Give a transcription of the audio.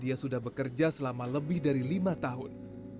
dia sudah bekerja selama lebih dari lima tahun